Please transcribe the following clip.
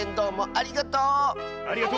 ありがとう！